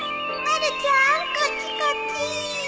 まるちゃんこっちこっちー